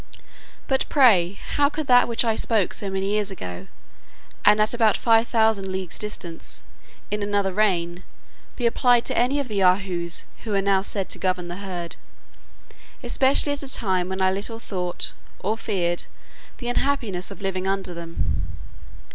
But, pray how could that which I spoke so many years ago, and at about five thousand leagues distance, in another reign, be applied to any of the Yahoos, who now are said to govern the herd; especially at a time when I little thought, or feared, the unhappiness of living under them?